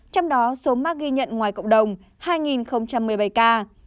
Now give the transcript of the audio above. trong đó số mắc ghi nhận ngoài cộng đồng hai một mươi bảy ca